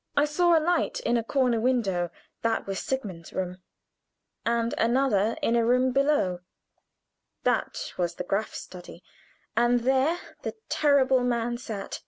I saw a light in a corner window that was Sigmund's room; and another in a room below that was the Graf's study, and there the terrible man sat.